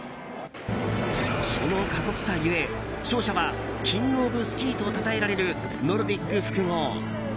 その過酷さゆえ勝者はキングオブスキーとたたえられるノルディック複合。